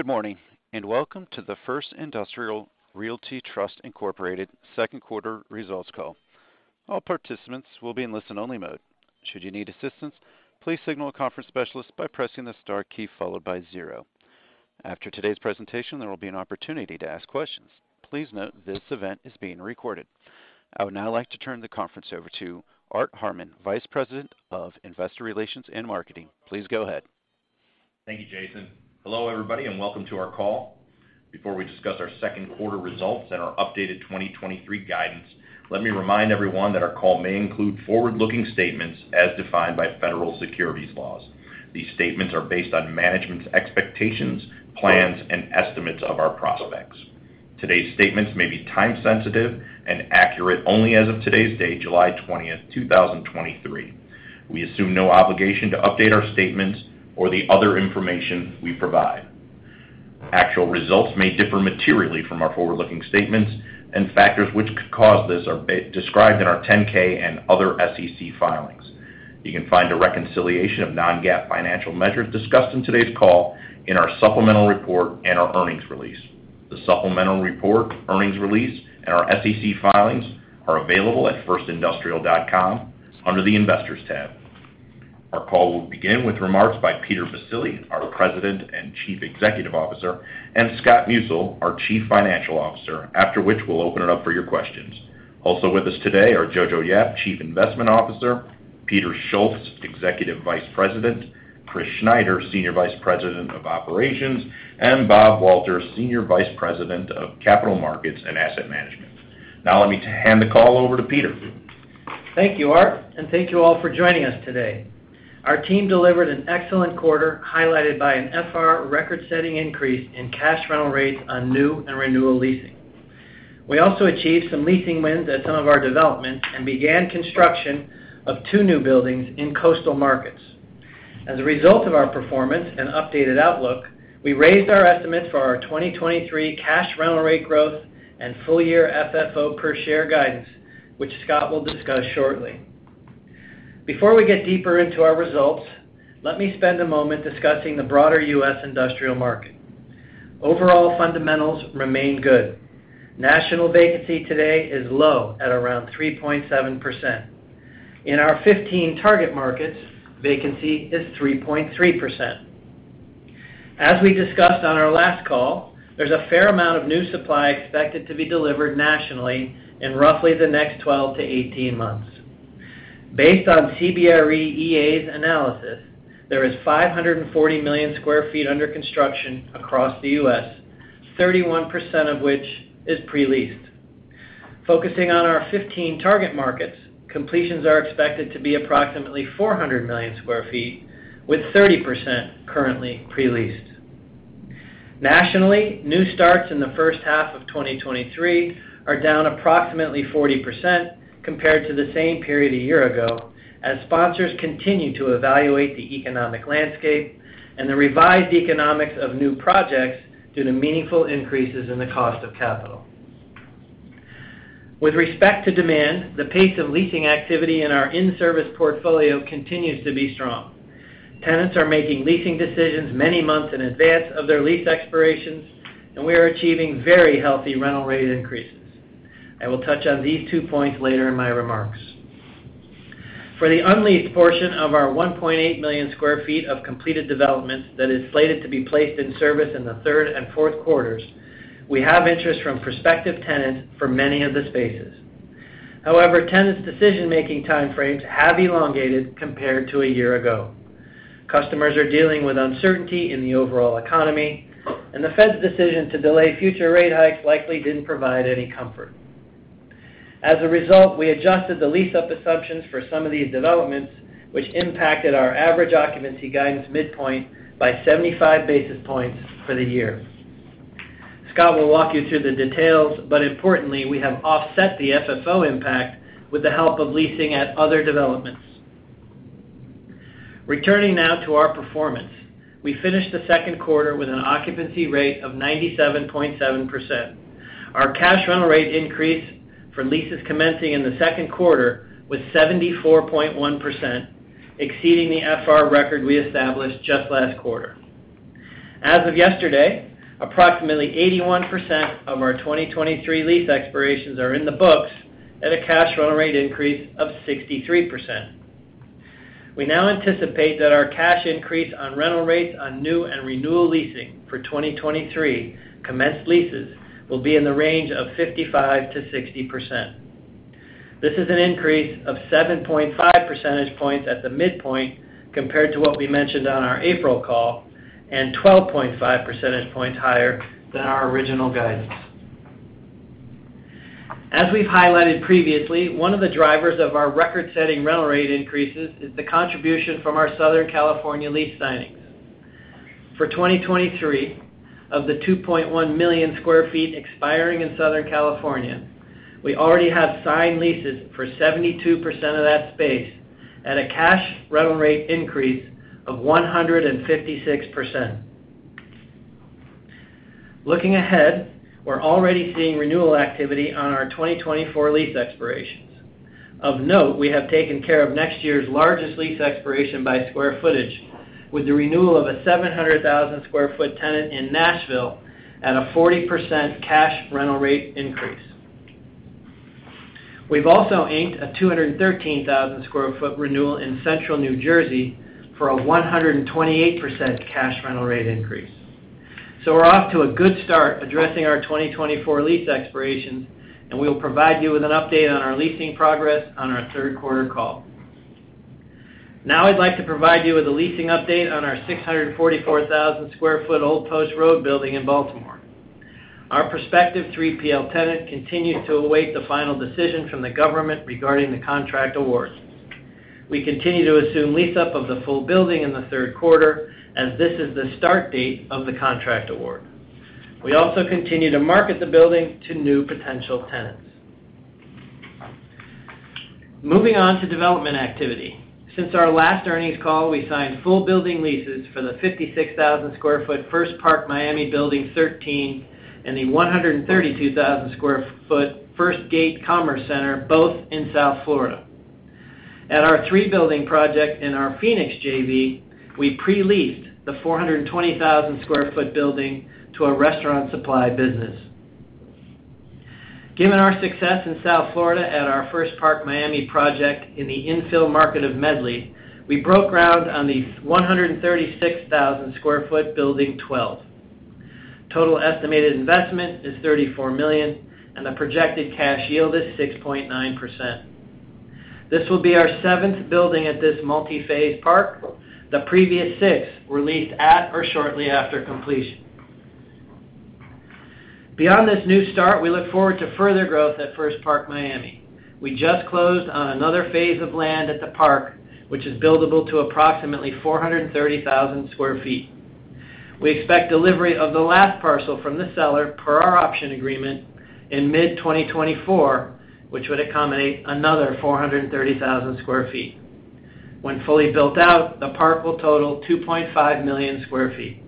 Good morning, welcome to the First Industrial Realty Trust, Inc. second quarter results call. All participants will be in listen-only mode. Should you need assistance, please signal a conference specialist by pressing the star key followed by zero. After today's presentation, there will be an opportunity to ask questions. Please note, this event is being recorded. I would now like to turn the conference over to Art Harmon, Vice President of Investor Relations and Marketing. Please go ahead. Thank you, Jason. Hello, everybody, welcome to our call. Before we discuss our second quarter results and our updated 2023 guidance, let me remind everyone that our call may include forward-looking statements as defined by federal securities laws. These statements are based on management's expectations, plans, and estimates of our prospects. Today's statements may be time-sensitive and accurate only as of today's date, July 20, 2023. We assume no obligation to update our statements or the other information we provide. Actual results may differ materially from our forward-looking statements, factors which could cause this are described in our 10-K and other SEC filings. You can find a reconciliation of non-GAAP financial measures discussed in today's call in our supplemental report and our earnings release. The supplemental report, earnings release, and our SEC filings are available at firstindustrial.com under the Investors tab. Our call will begin with remarks by Peter Baccile, our President and Chief Executive Officer, and Scott Musil, our Chief Financial Officer, after which we'll open it up for your questions. Also with us today are Johannson Yap, Chief Investment Officer, Peter Schultz, Executive Vice President, Chris Schneider, Senior Vice President of Operations, and Bob Walter, Senior Vice President of Capital Markets and Asset Management. Now, let me hand the call over to Peter. Thank you, Art. Thank you all for joining us today. Our team delivered an excellent quarter, highlighted by an FR record-setting increase in cash rental rates on new and renewal leasing. We also achieved some leasing wins at some of our developments and began construction of two new buildings in coastal markets. As a result of our performance and updated outlook, we raised our estimates for our 2023 cash rental rate growth and full-year FFO per share guidance, which Scott will discuss shortly. Before we get deeper into our results, let me spend a moment discussing the broader U.S. industrial market. Overall fundamentals remain good. National vacancy today is low at around 3.7%. In our 15 target markets, vacancy is 3.3%. As we discussed on our last call, there's a fair amount of new supply expected to be delivered nationally in roughly the next 12-18 months. Based on CBRE EA's analysis, there is 540 million sq ft under construction across the U.S., 31% of which is pre-leased. Focusing on our 15 target markets, completions are expected to be approximately 400 million sq ft, with 30% currently pre-leased. Nationally, new starts in the first half of 2023 are down approximately 40% compared to the same period a year ago, as sponsors continue to evaluate the economic landscape and the revised economics of new projects due to meaningful increases in the cost of capital. With respect to demand, the pace of leasing activity in our in-service portfolio continues to be strong. Tenants are making leasing decisions many months in advance of their lease expirations, and we are achieving very healthy rental rate increases. I will touch on these two points later in my remarks. For the unleased portion of our 1.8 million sq ft of completed developments that is slated to be placed in service in the third and fourth quarters, we have interest from prospective tenants for many of the spaces. However, tenants' decision-making time frames have elongated compared to a year ago. Customers are dealing with uncertainty in the overall economy, and the Fed's decision to delay future rate hikes likely didn't provide any comfort. As a result, we adjusted the lease-up assumptions for some of these developments, which impacted our average occupancy guidance midpoint by 75 basis points for the year. Scott will walk you through the details, importantly, we have offset the FFO impact with the help of leasing at other developments. Returning now to our performance. We finished the second quarter with an occupancy rate of 97.7%. Our cash rental rate increase for leases commencing in the second quarter was 74.1%, exceeding the FR record we established just last quarter. As of yesterday, approximately 81% of our 2023 lease expirations are in the books at a cash rental rate increase of 63%. We now anticipate that our cash increase on rental rates on new and renewal leasing for 2023 commenced leases will be in the range of 55%-60%. This is an increase of 7.5 percentage points at the midpoint compared to what we mentioned on our April call, and 12.5 percentage points higher than our original guidance. As we've highlighted previously, one of the drivers of our record-setting rental rate increases is the contribution from our Southern California lease signings. For 2023, of the 2.1 million sq ft expiring in Southern California, we already have signed leases for 72% of that space at a cash rental rate increase of 156%. Looking ahead, we're already seeing renewal activity on our 2024 lease expirations. Of note, we have taken care of next year's largest lease expiration by square footage, with the renewal of a 700,000 sq ft tenant in Nashville at a 40% cash rental rate increase. We've also inked a 213,000 sq ft renewal in Central New Jersey for a 128% cash rental rate increase. We're off to a good start addressing our 2024 lease expirations, and we will provide you with an update on our leasing progress on our third quarter call. I'd like to provide you with a leasing update on our 644,000 sq ft Old Post Road building in Baltimore. Our prospective 3PL tenant continues to await the final decision from the government regarding the contract award. We continue to assume lease up of the full building in the third quarter, as this is the start date of the contract award. We also continue to market the building to new potential tenants. Moving on to development activity. Since our last earnings call, we signed full building leases for the 56,000 sq ft First Park Miami, Building 13, and the 132,000 sq ft First Gate Commerce Center, both in South Florida. At our three-building project in our Phoenix JV, we pre-leased the 420,000 sq ft building to a restaurant supply business. Given our success in South Florida at our First Park Miami project in the infill market of Medley, we broke ground on the 136,000 sq ft Building 12. Total estimated investment is $34 million, and the projected cash yield is 6.9%. This will be our seventh building at this multi-phase park. The previous six were leased at or shortly after completion. Beyond this new start, we look forward to further growth at First Park Miami. We just closed on another phase of land at the park, which is buildable to approximately 430,000 sq ft. We expect delivery of the last parcel from the seller per our option agreement in mid-2024, which would accommodate another 430,000 sq ft. When fully built out, the park will total 2.5 million sq ft.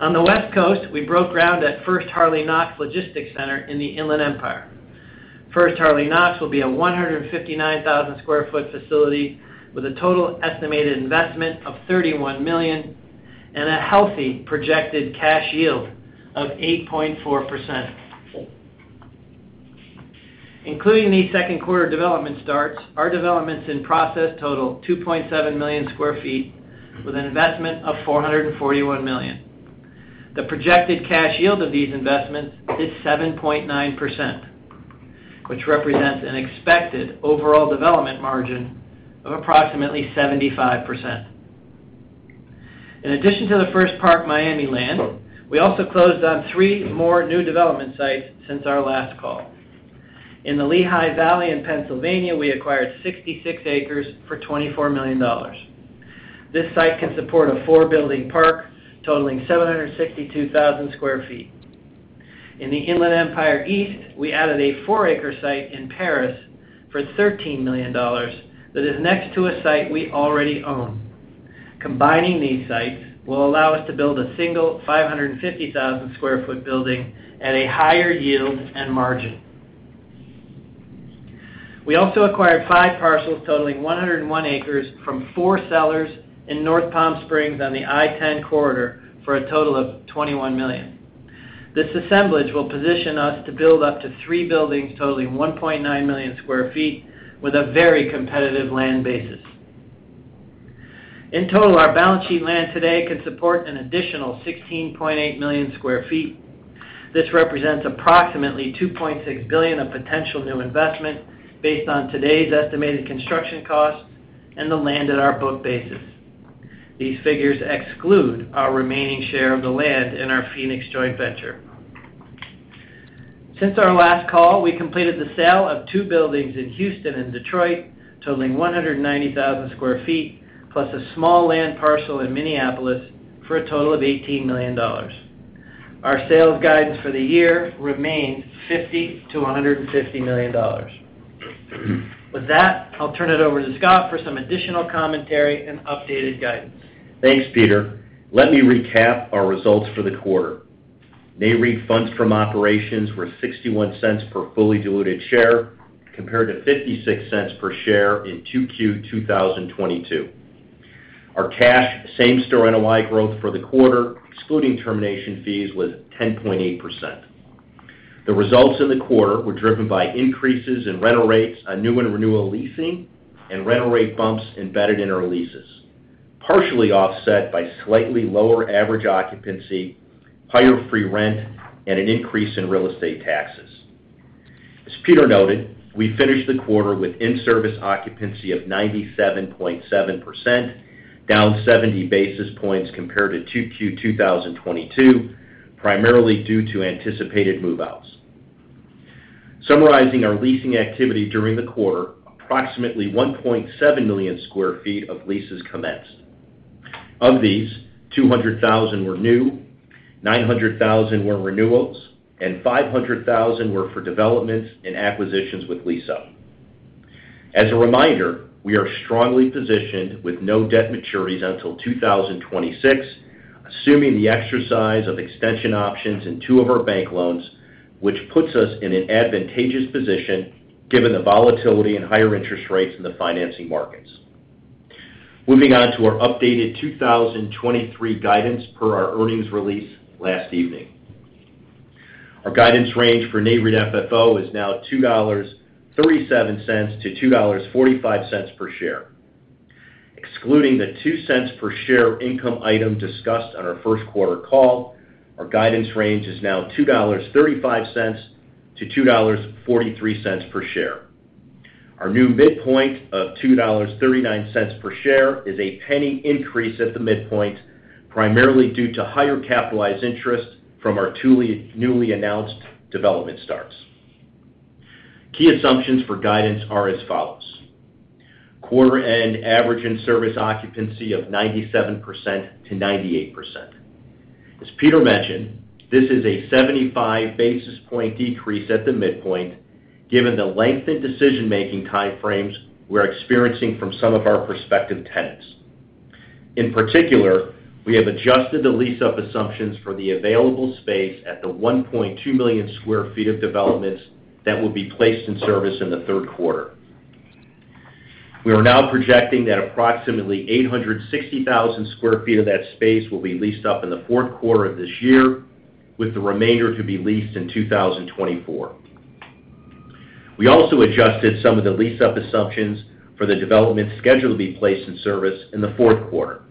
On the West Coast, we broke ground at First Harley Knox Logistics Center in the Inland Empire. First Harley Knox will be a 159,000 sq ft facility with a total estimated investment of $31 million and a healthy projected cash yield of 8.4%. Including these second quarter development starts, our developments in process total 2.7 million sq ft with an investment of $441 million. The projected cash yield of these investments is 7.9%, which represents an expected overall development margin of approximately 75%. In addition to the First Park Miami land, we also closed on 3 more new development sites since our last call. In the Lehigh Valley in Pennsylvania, we acquired 66 acres for $24 million. This site can support a four-building park totaling 762,000 sq ft. In the Inland Empire East, we added a four-acre site in Perris for $13 million that is next to a site we already own. Combining these sites will allow us to build a single 550,000 sq ft building at a higher yield and margin. We also acquired five parcels totaling 101 acres from four sellers in North Palm Springs on the I-10 corridor for a total of $21 million. This assemblage will position us to build up to three buildings, totaling 1.9 million sq ft, with a very competitive land basis. In total, our balance sheet land today can support an additional 16.8 million sq ft. This represents approximately $2.6 billion of potential new investment based on today's estimated construction costs and the land at our book basis. These figures exclude our remaining share of the land in our Phoenix joint venture. Since our last call, we completed the sale of two buildings in Houston and Detroit, totaling 190,000 sq ft, plus a small land parcel in Minneapolis, for a total of $18 million. Our sales guidance for the year remains $50 million-$150 million. With that, I'll turn it over to Scott for some additional commentary and updated guidance. Thanks, Peter. Let me recap our results for the quarter. NAREIT funds from operations were $0.61 per fully diluted share, compared to $0.56 per share in 2Q 2022. Our cash same-store NOI growth for the quarter, excluding termination fees, was 10.8%. The results in the quarter were driven by increases in rental rates on new and renewal leasing and rental rate bumps embedded in our leases, partially offset by slightly lower average occupancy, higher free rent, and an increase in real estate taxes. As Peter noted, we finished the quarter with in-service occupancy of 97.7%, down 70 basis points compared to 2Q 2022, primarily due to anticipated move-outs. Summarizing our leasing activity during the quarter, approximately 1.7 million sq ft of leases commenced. Of these, 200,000 were new, 900,000 were renewals, and 500,000 were for developments and acquisitions with lease-up. As a reminder, we are strongly positioned with no debt maturities until 2026, assuming the exercise of extension options in two of our bank loans, which puts us in an advantageous position, given the volatility and higher interest rates in the financing markets. Moving on to our updated 2023 guidance per our earnings release last evening. Our guidance range for NAREIT FFO is now $2.37-$2.45 per share. Excluding the $0.02 per share income item discussed on our first quarter call, our guidance range is now $2.35-$2.43 per share. Our new midpoint of $2.39 per share is a penny increase at the midpoint, primarily due to higher capitalized interest from our two newly announced development starts. Key assumptions for guidance are as follows: quarter-end average in-service occupancy of 97%-98%. As Peter mentioned, this is a 75 basis point decrease at the midpoint, given the lengthened decision-making time frames we're experiencing from some of our prospective tenants. In particular, we have adjusted the lease-up assumptions for the available space at the 1.2 million sq ft of developments that will be placed in service in the third quarter. We are now projecting that approximately 860,000 sq ft of that space will be leased up in the fourth quarter of this year, with the remainder to be leased in 2024. We also adjusted some of the lease-up assumptions for the development scheduled to be placed in service in the fourth quarter.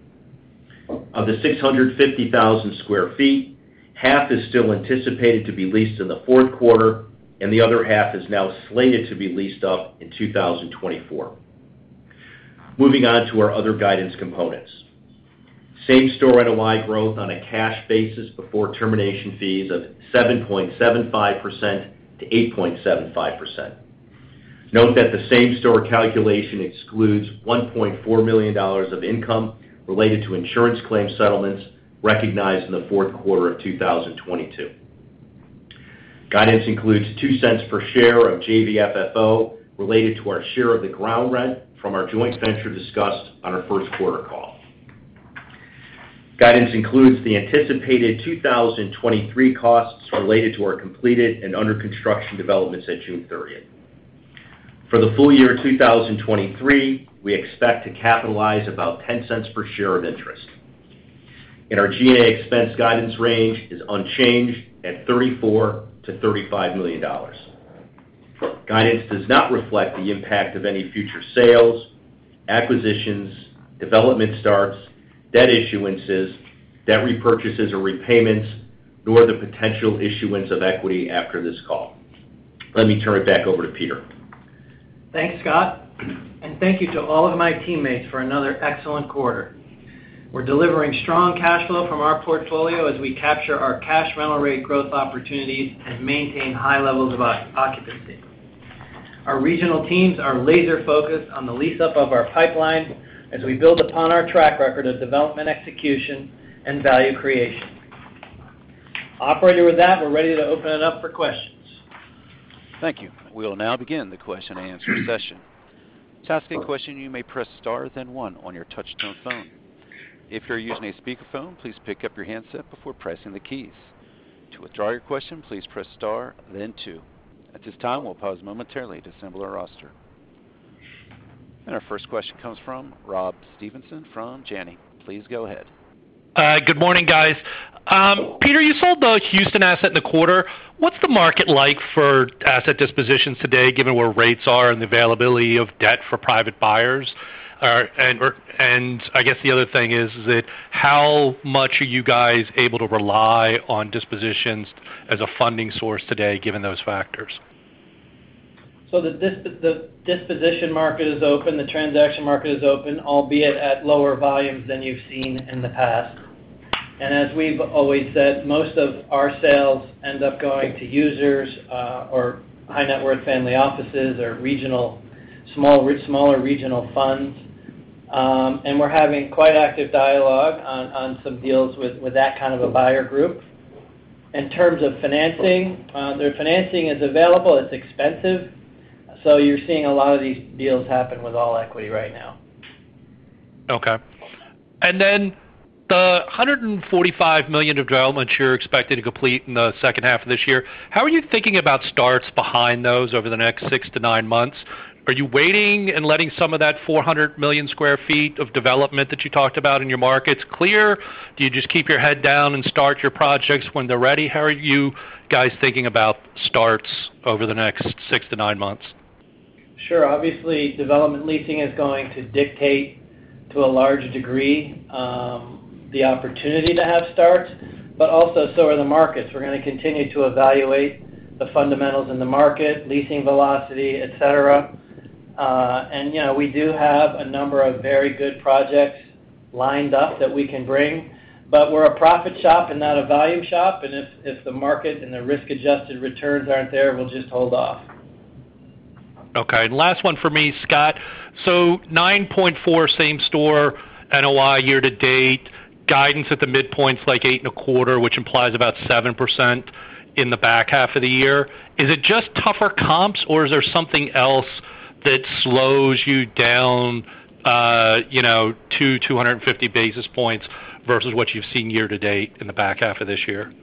Of the 650,000 sq ft, half is still anticipated to be leased in the fourth quarter, and the other half is now slated to be leased up in 2024. Moving on to our other guidance components. Same-store NOI growth on a cash basis before termination fees of 7.75%-8.75%. Note that the same-store calculation excludes $1.4 million of income related to insurance claim settlements recognized in the fourth quarter of 2022. Guidance includes $0.02 per share of JV FFO related to our share of the ground rent from our joint venture discussed on our first quarter call. Guidance includes the anticipated 2023 costs related to our completed and under construction developments at June 30th. For the full year 2023, we expect to capitalize about $0.10 per share of interest. Our G&A expense guidance range is unchanged at $34 million-$35 million. Guidance does not reflect the impact of any future sales, acquisitions, development starts, debt issuances, debt repurchases or repayments, nor the potential issuance of equity after this call. Let me turn it back over to Peter. Thanks, Scott, thank you to all of my teammates for another excellent quarter. We're delivering strong cash flow from our portfolio as we capture our cash rental rate growth opportunities and maintain high levels of occupancy. Our regional teams are laser-focused on the lease-up of our pipeline as we build upon our track record of development, execution, and value creation. Operator, with that, we're ready to open it up for questions. Thank you. We will now begin the question-and-answer session. To ask a question, you may press star, then one on your touchtone phone. If you're using a speakerphone, please pick up your handset before pressing the keys. To withdraw your question, please press star, then two. At this time, we'll pause momentarily to assemble our roster. Our first question comes from Rob Stevenson from Janney. Please go ahead. Good morning, guys. Peter, you sold the Houston asset in the quarter. What's the market like for asset dispositions today, given where rates are and the availability of debt for private buyers? I guess the other thing is that how much are you guys able to rely on dispositions as a funding source today, given those factors? The disposition market is open, the transaction market is open, albeit at lower volumes than you've seen in the past. As we've always said, most of our sales end up going to users, or high-net-worth family offices or smaller regional funds. We're having quite active dialogue on some deals with that kind of a buyer group. In terms of financing, their financing is available, it's expensive, so you're seeing a lot of these deals happen with all equity right now. Okay. Then the $145 million of developments you're expected to complete in the second half of this year, how are you thinking about starts behind those over the next six to nine months? Are you waiting and letting some of that 400 million sq ft of development that you talked about in your markets clear? Do you just keep your head down and start your projects when they're ready? How are you guys thinking about starts over the next six to nine months? Sure. Obviously, development leasing is going to dictate, to a large degree, the opportunity to have starts, but also so are the markets. We're gonna continue to evaluate the fundamentals in the market, leasing velocity, et cetera. You know, we do have a number of very good projects lined up that we can bring, but we're a profit shop and not a value shop, and if the market and the risk-adjusted returns aren't there, we'll just hold off Okay. Last one for me, Scott. 9.4 same store NOI year to date, guidance at the midpoint is like 8.25, which implies about 7% in the back half of the year. Is it just tougher comps, or is there something else that slows you down, you know, 250 basis points versus what you've seen year-to-date in the back half of this year?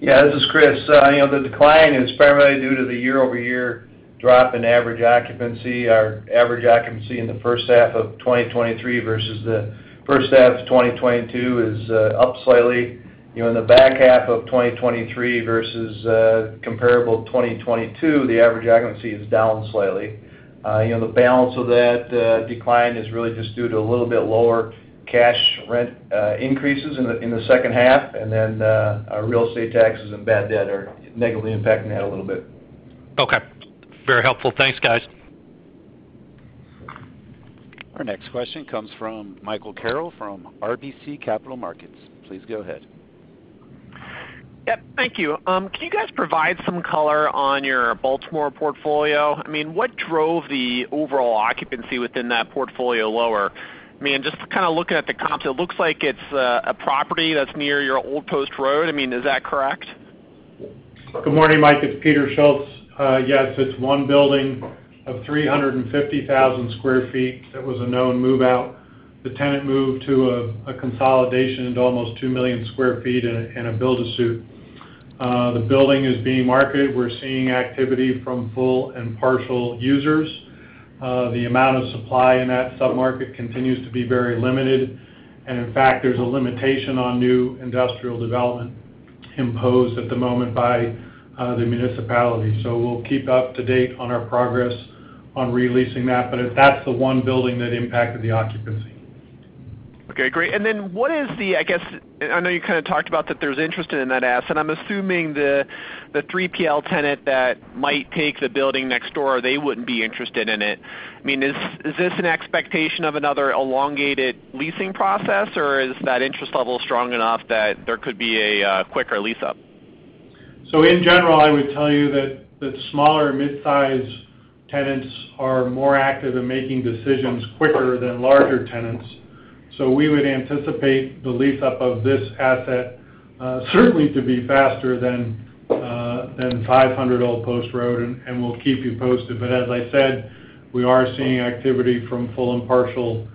Yeah, this is Chris. You know, the decline is primarily due to the year-over-year drop in average occupancy. Our average occupancy in the first half of 2023 versus the first half of 2022 is up slightly. You know, in the back half of 2023 versus comparable 2022, the average occupancy is down slightly. You know, the balance of that decline is really just due to a little bit lower cash rent increases in the second half, and then our real estate taxes and bad debt are negatively impacting that a little bit. Okay. Very helpful. Thanks, guys. Our next question comes from Michael Carroll from RBC Capital Markets. Please go ahead. Yep, thank you. Can you guys provide some color on your Baltimore portfolio? I mean, what drove the overall occupancy within that portfolio lower? I mean, just kind of looking at the comps, it looks like it's a property that's near your Old Post Road. I mean, is that correct? Good morning, Mike, it's Peter Schultz. Yes, it's one building of 350,000 sq ft that was a known move-out. The tenant moved to a consolidation into almost 2 million sq ft in a build-to-suit. The building is being marketed. We're seeing activity from full and partial users. The amount of supply in that submarket continues to be very limited, and in fact, there's a limitation on new industrial development imposed at the moment by the municipality. We'll keep up to date on our progress on releasing that, but that's the one building that impacted the occupancy. Okay, great. What is the I guess, I know you kind of talked about that there's interest in that asset, and I'm assuming the 3PL tenant that might take the building next door, they wouldn't be interested in it. Is this an expectation of another elongated leasing process, or is that interest level strong enough that there could be a quicker lease-up? In general, I would tell you that smaller mid-size tenants are more active in making decisions quicker than larger tenants. We would anticipate the lease-up of this asset, certainly to be faster than 500 Old Post Road, and we'll keep you posted. As I said, we are seeing activity from full and partial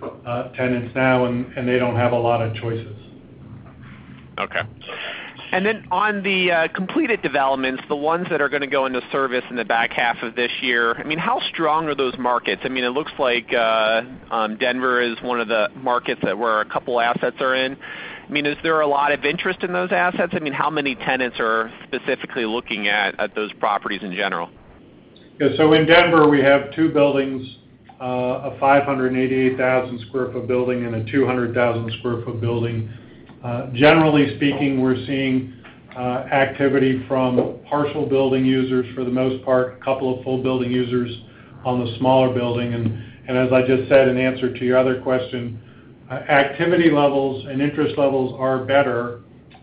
tenants now, and they don't have a lot of choices. Okay. On the completed developments, the ones that are gonna go into service in the back half of this year, I mean, how strong are those markets? I mean, it looks like Denver is one of the markets that where a couple assets are in. I mean, is there a lot of interest in those assets? I mean, how many tenants are specifically looking at those properties in general? Yeah. In Denver, we have two buildings, a 588,000 sq ft building and a 200,000 sq ft building. Generally speaking, we're seeing activity from partial building users, for the most part, a couple of full building users on the smaller building. As I just said, in answer to your other question, activity levels and interest levels are better,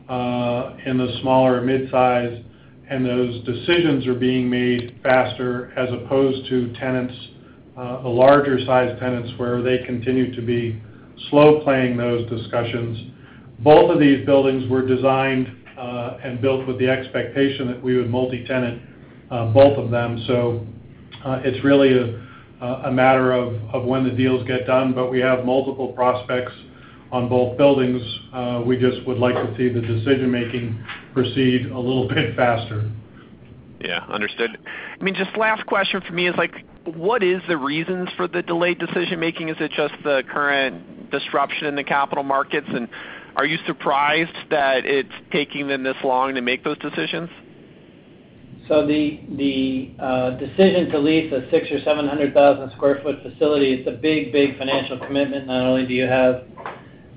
in the smaller midsize, and those decisions are being made faster, as opposed to tenants, the larger-sized tenants, where they continue to be slow-playing those discussions. Both of these buildings were designed, and built with the expectation that we would multi-tenant, both of them. It's really a matter of when the deals get done, but we have multiple prospects on both buildings. We just would like to see the decision-making proceed a little bit faster. Yeah, understood. I mean, just last question for me is, like, what is the reasons for the delayed decision-making? Is it just the current disruption in the capital markets? Are you surprised that it's taking them this long to make those decisions? The decision to lease a 600,000 or 700,000 sq ft facility, it's a big financial commitment. Not only do you have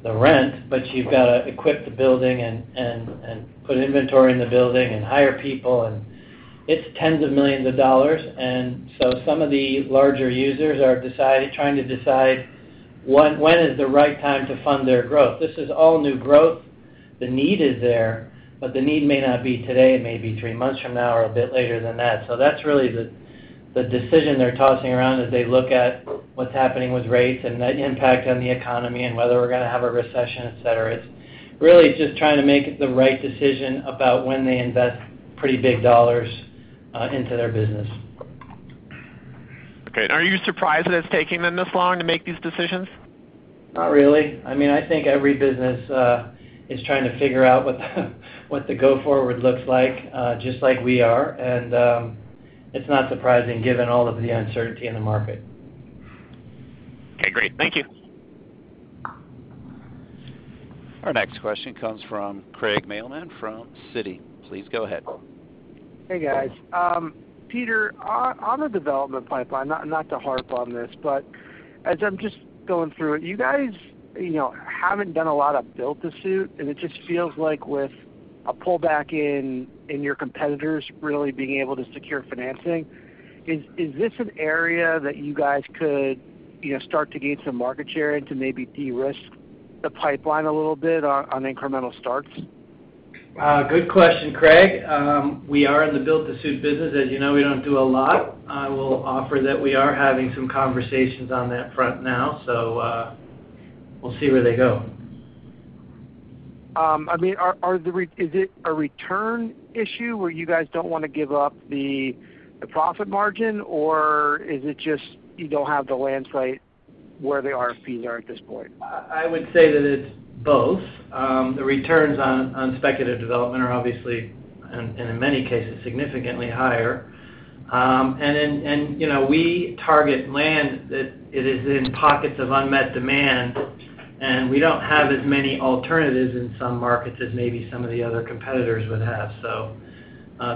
the rent, but you've got to equip the building and put inventory in the building and hire people, and it's tens of millions of dollars. Some of the larger users are trying to decide when is the right time to fund their growth. This is all new growth. The need is there, but the need may not be today, it may be three months from now or a bit later than that. That's really the decision they're tossing around as they look at what's happening with rates and the impact on the economy and whether we're gonna have a recession, et cetera. It's really just trying to make the right decision about when they invest pretty big dollars, into their business. Okay. Are you surprised that it's taking them this long to make these decisions? Not really. I mean, I think every business is trying to figure out what the go forward looks like, just like we are. It's not surprising given all of the uncertainty in the market. Okay, great. Thank you. Our next question comes from Craig Mailman from Citi. Please go ahead. Guys. Peter, on the development pipeline, not to harp on this, but as I'm just going through it, you guys, you know, haven't done a lot of build-to-suit, and it just feels like with a pullback in your competitors really being able to secure financing, is this an area that you guys could, you know, start to gain some market share and to maybe de-risk the pipeline a little bit on incremental starts? Good question, Craig. We are in the build-to-suit business. As you know, we don't do a lot. I will offer that we are having some conversations on that front now. We'll see where they go. I mean, is it a return issue where you guys don't want to give up the profit margin, or is it just you don't have the landslide where the RFPs are at this point? I would say that it's both. The returns on speculative development are obviously, and in many cases, significantly higher. Then, you know, we target land that it is in pockets of unmet demand, and we don't have as many alternatives in some markets as maybe some of the other competitors would have.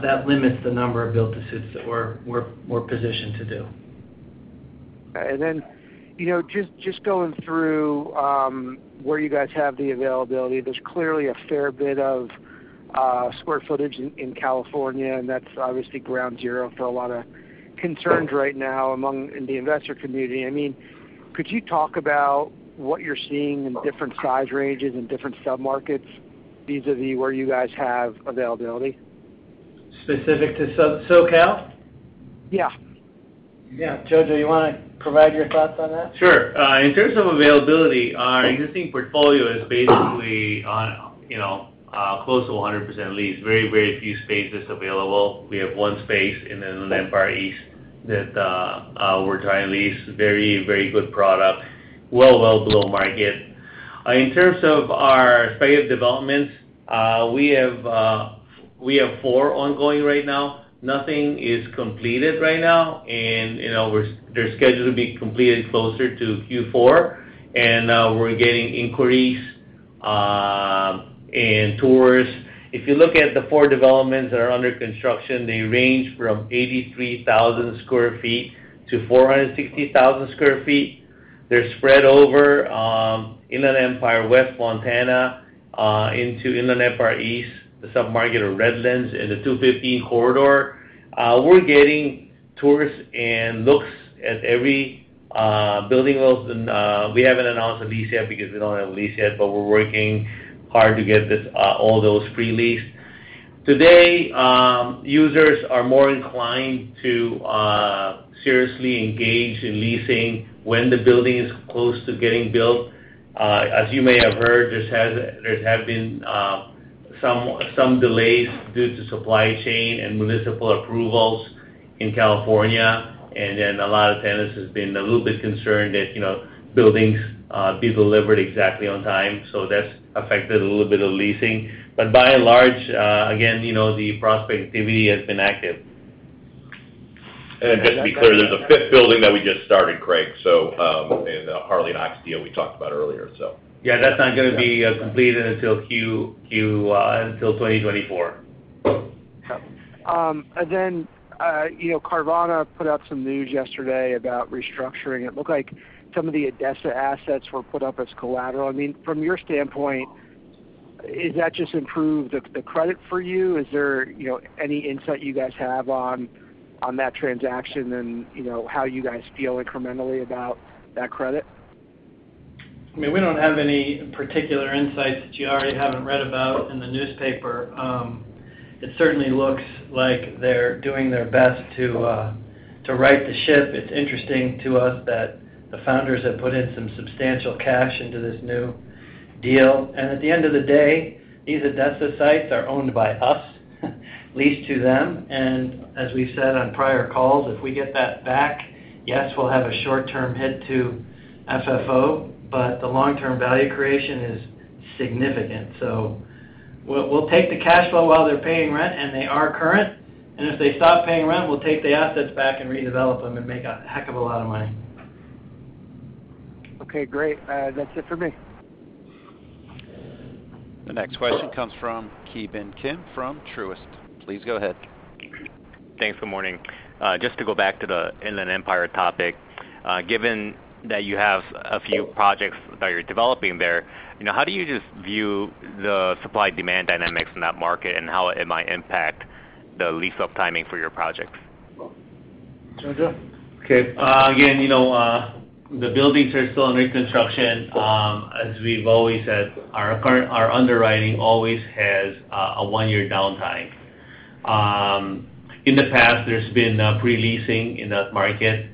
That limits the number of build-to-suits that we're positioned to do. Then, you know, just going through, where you guys have the availability, there's clearly a fair bit of square footage in California, that's obviously ground zero for a lot of concerns right now in the investor community. I mean, could you talk about what you're seeing in different size ranges and different submarkets, vis-a-vis where you guys have availability? Specific to SoCal? Yeah. Johannson, you wanna provide your thoughts on that? Sure. In terms of availability, our existing portfolio is basically on, you know, close to 100% lease. Very, very few spaces available. We have one space in the Inland Empire East that we're trying to lease. Very, very good product. Well, well below market. In terms of our speculative developments, we have four ongoing right now. Nothing is completed right now, you know, they're scheduled to be completed closer to Q4, and we're getting inquiries and tours. If you look at the four developments that are under construction, they range from 83,000 sq ft-460,000 sq ft. They're spread over Inland Empire, West Moreno Valley, into Inland Empire East, the submarket of Redlands, and the 215 corridor. We're getting tours and looks at every building. We haven't announced a lease yet because we don't have a lease yet, but we're working hard to get this, all those pre-leased. Today, users are more inclined to seriously engage in leasing when the building is close to getting built. As you may have heard, there have been some delays due to supply chain and municipal approvals in California, and then a lot of tenants has been a little bit concerned that, you know, buildings be delivered exactly on time. That's affected a little bit of leasing. By and large, again, you know, the prospect activity has been active. Just because there's a fifth building that we just started, Craig, in the Harley Knox deal we talked about earlier. Yeah, that's not gonna be, completed until Q, until 2024. You know, Carvana put out some news yesterday about restructuring. It looked like some of the ADESA assets were put up as collateral. I mean, from your standpoint, is that just improved the credit for you? Is there, you know, any insight you guys have on that transaction and, you know, how you guys feel incrementally about that credit? I mean, we don't have any particular insights that you already haven't read about in the newspaper. It certainly looks like they're doing their best to right the ship. It's interesting to us that the founders have put in some substantial cash into this new deal. At the end of the day, these ADESA sites are owned by us, leased to them. As we've said on prior calls, if we get that back, yes, we'll have a short-term hit to FFO, but the long-term value creation is significant. We'll take the cash flow while they're paying rent, and they are current, and if they stop paying rent, we'll take the assets back and redevelop them and make a heck of a lot of money. Okay, great. That's it for me. The next question comes from Ki Bin Kim from Truist. Please go ahead. Thanks. Good morning. Just to go back to the Inland Empire topic. Given that you have a few projects that you're developing there, you know, how do you just view the supply-demand dynamics in that market and how it might impact the lease-up timing for your projects? Jojo? Okay. Again, you know, the buildings are still under construction. As we've always said, our underwriting always has a one-year downtime. In the past, there's been pre-leasing in that market.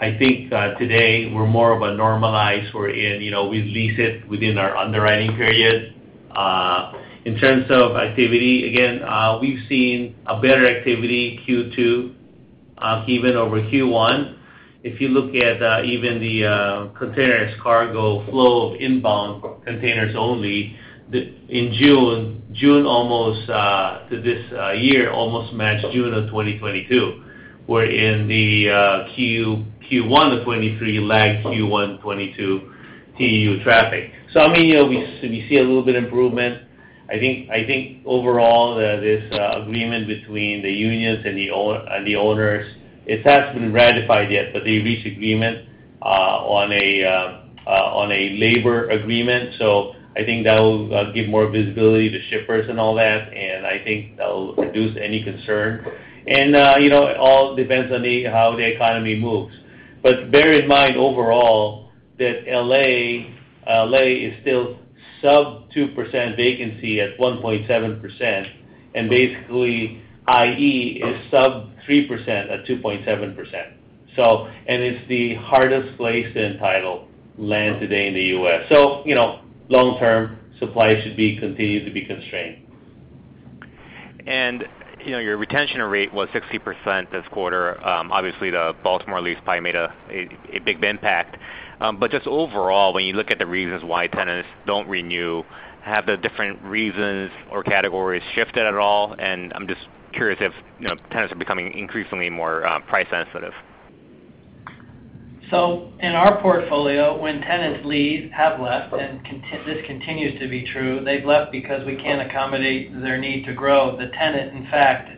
I think today we're more of a normalized, you know, we lease it within our underwriting period. In terms of activity, again, we've seen a better activity in Q2, even over Q1. If you look at even the containers cargo flow of inbound containers only, in June, almost to this year, almost matched June of 2022, wherein the Q1 of 2023 lagged Q1 2022 TEU traffic. I mean, you know, we see a little bit improvement. I think overall, this agreement between the unions and the owners, it hasn't been ratified yet, but they reached agreement on a labor agreement. I think that will give more visibility to shippers and all that, and I think that'll reduce any concern. You know, it all depends on how the economy moves. Bear in mind, overall, that LA is still sub 2% vacancy at 1.7%, and basically, IE is sub 3% at 2.7%. It's the hardest place to entitle land today in the U.S. You know, long term, supply should be continued to be constrained. You know, your retention rate was 60% this quarter. Obviously, the Baltimore lease probably made a big impact. Just overall, when you look at the reasons why tenants don't renew, have the different reasons or categories shifted at all? I'm just curious if, you know, tenants are becoming increasingly more price sensitive. In our portfolio, when tenants leave, have left, and this continues to be true, they've left because we can't accommodate their need to grow. The tenant, in fact,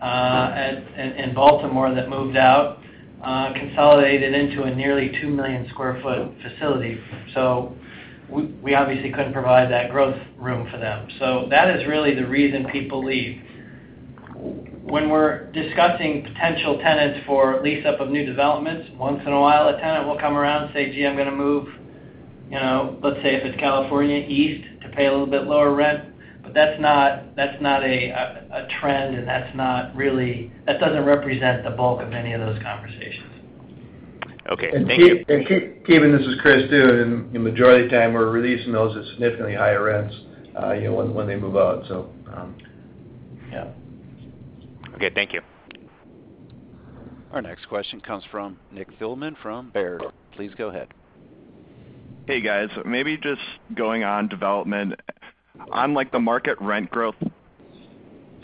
in Baltimore, that moved out, consolidated into a nearly 2 million sq ft facility. We obviously couldn't provide that growth room for them. That is really the reason people leave. When we're discussing potential tenants for lease up of new developments, once in a while, a tenant will come around and say, "Gee, I'm gonna move," you know, let's say, if it's California, east, to pay a little bit lower rent. That's not, that's not a trend, and that doesn't represent the bulk of any of those conversations. Okay, thank you. Kevin, this is Chris too. The majority of the time, we're releasing those at significantly higher rents, you know, when they move out. Yeah. Okay, thank you. Our next question comes from Nick Thillman from Baird. Please go ahead. Hey, guys. Maybe just going on development. On, like, the market rent growth,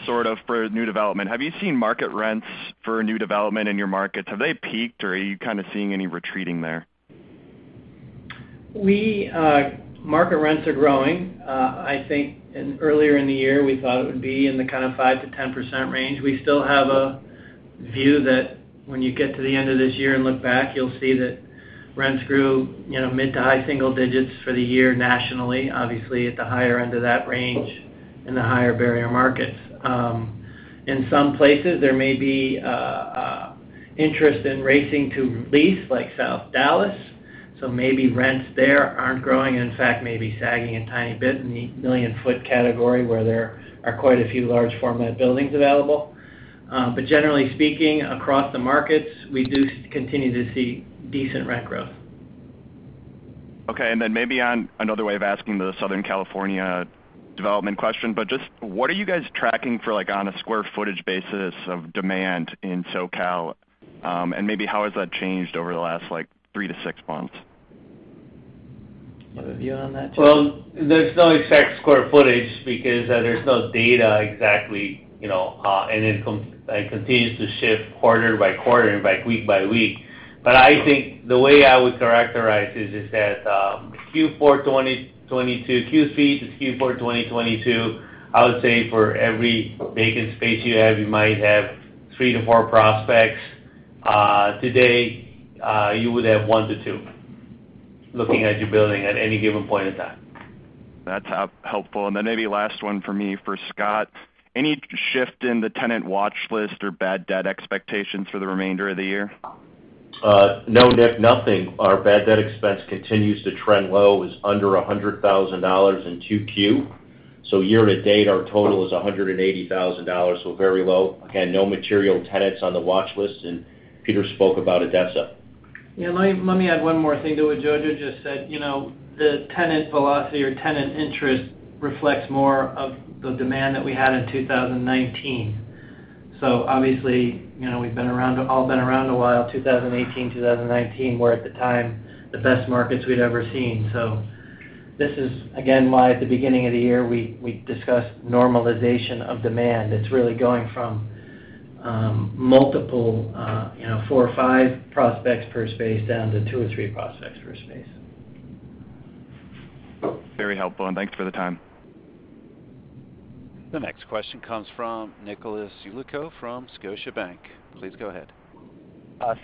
sort of, for new development, have you seen market rents for new development in your markets? Have they peaked, or are you kind of seeing any retreating there? We Market rents are growing. I think in earlier in the year, we thought it would be in the kind of 5%-10% range. We still have a view that when you get to the end of this year and look back, you'll see that rents grew, you know, mid- to high-single digits for the year nationally, obviously, at the higher end of that range in the higher barrier markets. In some places, there may be interest in racing to lease, like South Dallas, so maybe rents there aren't growing, in fact, may be sagging a tiny bit in the million-foot category, where there are quite a few large-format buildings available. Generally speaking, across the markets, we do continue to see decent rent growth. Okay. Maybe on another way of asking the Southern California development question, but just what are you guys tracking for, like, on a square footage basis of demand in SoCal? How has that changed over the last, like, 3 to 6 months? You have a view on that, Giorgio? There's no exact square footage because there's no data exactly, you know, and it continues to shift quarter by quarter and by week by week. I think the way I would characterize this is that Q4 2022, Q3 to Q4 2022, I would say for every vacant space you have, you might have 3 to 4 prospects. Today, you would have 1 to 2, looking at your building at any given point in time. That's helpful. Maybe last one for me, for Scott. Any shift in the tenant watch list or bad debt expectations for the remainder of the year? No, Nick, nothing. Our bad debt expense continues to trend low. It's under $100,000 in 2Q. Year to date, our total is $180,000, so very low. Again, no material tenants on the watch list, and Peter spoke about ADESA. Yeah, let me add one more thing to what Giorgio just said. You know, the tenant velocity or tenant interest reflects more of the demand that we had in 2019. Obviously, you know, we've been around a while. 2018, 2019, were, at the time, the best markets we'd ever seen. This is, again, why at the beginning of the year, we discussed normalization of demand. It's really going from multiple, you know, four or five prospects per space down to two or three prospects per space. Very helpful, and thanks for the time. The next question comes from Nicholas Yulico from Scotiabank. Please go ahead.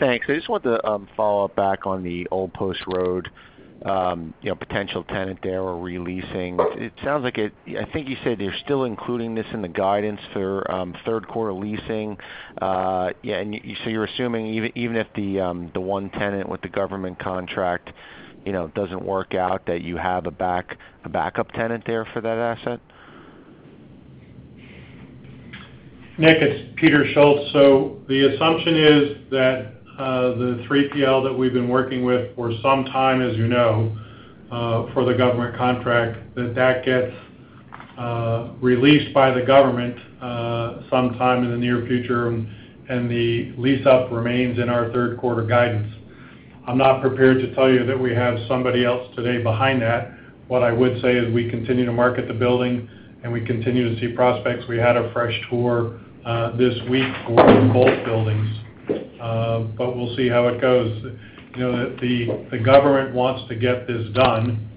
Thanks. I just wanted to, you know, follow up back on the Old Post Road, you know, potential tenant there or releasing. It sounds like it. I think you said you're still including this in the guidance for third quarter leasing. Yeah, so you're assuming even if the one tenant with the government contract, you know, doesn't work out, that you have a backup tenant there for that asset? Nick, it's Peter Schultz. The assumption is that the 3PL that we've been working with for some time, as you know, for the government contract, that that gets released by the government sometime in the near future, and the lease-up remains in our third quarter guidance. I'm not prepared to tell you that we have somebody else today behind that. What I would say is, we continue to market the building, and we continue to see prospects. We had a fresh tour this week for both buildings, we'll see how it goes. You know, the government wants to get this done,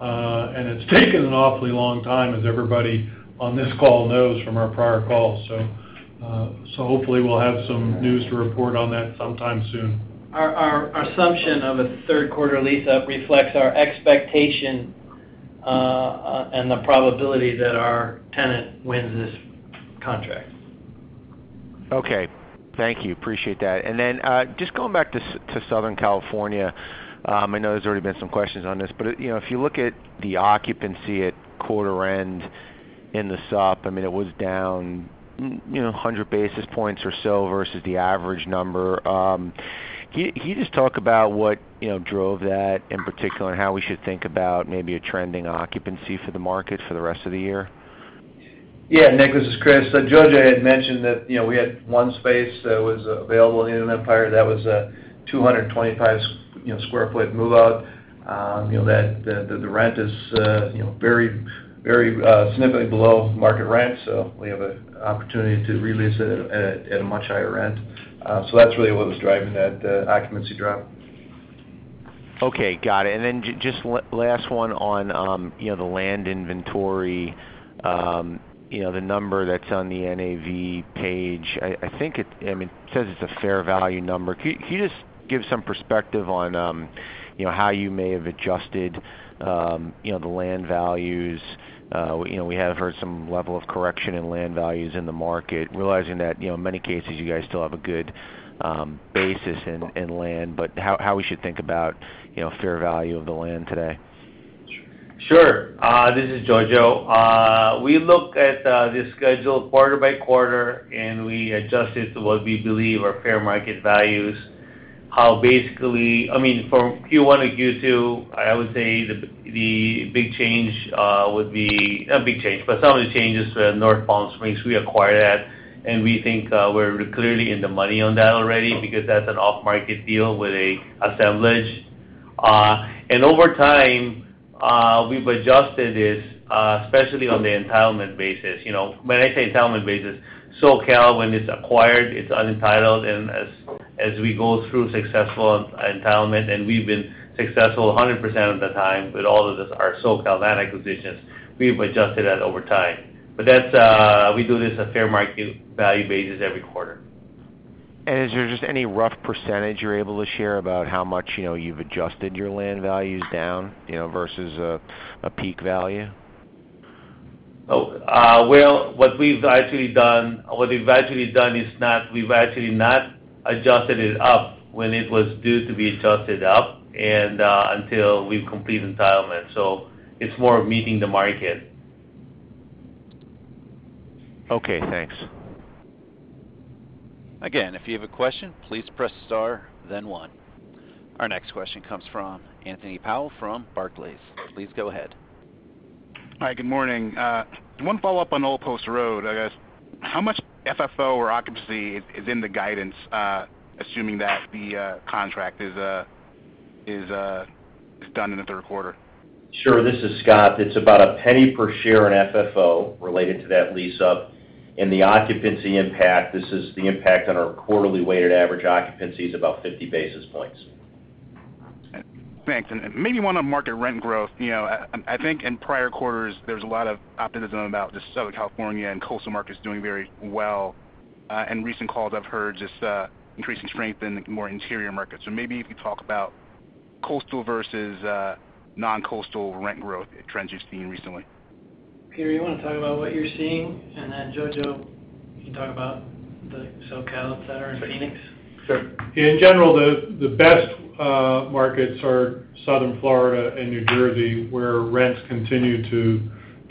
it's taken an awfully long time, as everybody on this call knows from our prior calls. Hopefully we'll have some news to report on that sometime soon. Our assumption of a third quarter lease-up reflects our expectation, and the probability that our tenant wins this contract. Okay. Thank you. Appreciate that. Just going back to Southern California, I know there's already been some questions on this, but, you know, if you look at the occupancy at quarter end,... in the sup, I mean, it was down, you know, 100 basis points or so versus the average number. Can you just talk about what, you know, drove that in particular, and how we should think about maybe a trending occupancy for the market for the rest of the year? Yeah, Nick, this is Chris. Jojo had mentioned that, you know, we had one space that was available in the Empire. That was a 225 sq ft move-out. That the rent is very, very significantly below market rent. We have a opportunity to re-lease it at a much higher rent. That's really what was driving that occupancy drop. Okay, got it. Just last one on, you know, the land inventory. You know, the number that's on the NAV page, I mean, it says it's a fair value number. Can you just give some perspective on, you know, how you may have adjusted, you know, the land values? You know, we have heard some level of correction in land values in the market, realizing that, you know, in many cases, you guys still have a good basis in land. How we should think about, you know, fair value of the land today? Sure. This is Jojo. We look at the schedule quarter by quarter. We adjust it to what we believe are fair market values. I mean, from Q1 to Q2, I would say the big change would be, not a big change, but some of the changes were North Palm Springs. We acquired that, and we think we're clearly in the money on that already because that's an off-market deal with a assemblage. Over time, we've adjusted this, especially on the entitlement basis. You know, when I say entitlement basis, SoCal, when it's acquired, it's unentitled, and as we go through successful entitlement, and we've been successful 100% of the time with all of this, our SoCal land acquisitions, we've adjusted that over time. That's, we do this a fair market value basis every quarter. is there just any rough % you're able to share about how much, you know, you've adjusted your land values down, you know, versus a peak value? Well, what we've actually done is we've actually not adjusted it up when it was due to be adjusted up, and until we complete entitlement. It's more of meeting the market. Okay, thanks. If you have a question, please press star, then one. Our next question comes from Anthony Powell from Barclays. Please go ahead. Hi, good morning. 1 follow-up on Old Post Road, I guess. How much FFO or occupancy is in the guidance, assuming that the contract is done in the third quarter? Sure. This is Scott. It's about $0.01 per share in FFO related to that lease-up. The occupancy impact, this is the impact on our quarterly weighted average occupancy, is about 50 basis points. Thanks. Maybe one on market rent growth. You know, I think in prior quarters, there's a lot of optimism about the Southern California and coastal markets doing very well. In recent calls, I've heard just increasing strength in more interior markets. Maybe if you talk about coastal versus non-coastal rent growth trends you've seen recently? Peter, you want to talk about what you're seeing, and then Jojo, you talk about the SoCal, et cetera, and Phoenix? Sure. In general, the best markets are Southern Florida and New Jersey, where rents continue to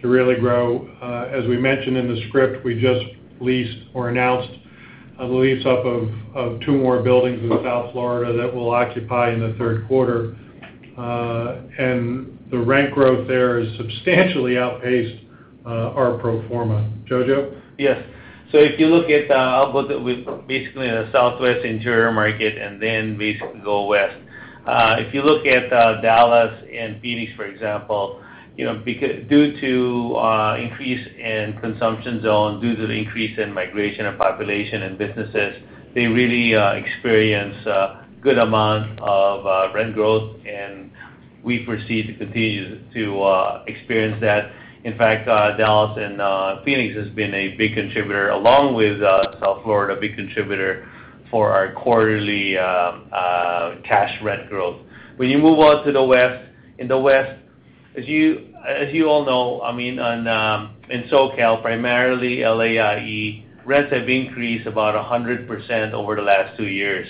really grow. As we mentioned in the script, we just leased or announced a lease-up of 2 more buildings in South Florida that we'll occupy in the 3rd quarter. And the rent growth there has substantially outpaced our pro forma. Jojo? Yes. If you look at, I'll go with basically in the Southwest interior market and then basically go west. If you look at Dallas and Phoenix, for example, you know, due to increase in consumption zone, due to the increase in migration of population and businesses, they really experience a good amount of rent growth, and we proceed to continue to experience that. In fact, Dallas and Phoenix has been a big contributor, along with South Florida, big contributor for our quarterly cash rent growth. When you move out to the west, in the west, as you all know, I mean, in SoCal, primarily LAIE, rents have increased about 100% over the last 2 years.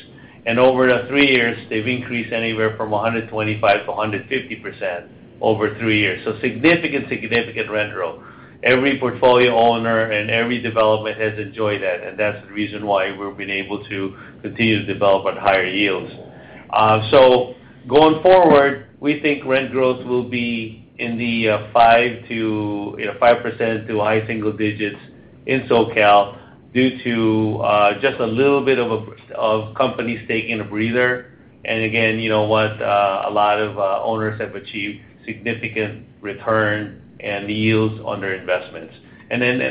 Over the 3 years, they've increased anywhere from 125%-150% over 3 years. Significant rent growth. Every portfolio owner and every development has enjoyed that, and that's the reason why we've been able to continue to develop at higher yields. Going forward, we think rent growth will be in the 5 to, you know, 5% to high single digits in SoCal due to just a little bit of a, of companies taking a breather. Again, you know what, a lot of owners have achieved significant return and yields on their investments.